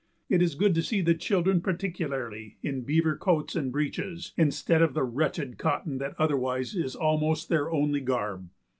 It is good to see the children, particularly, in beaver coats and breeches instead of the wretched cotton that otherwise is almost their only garb.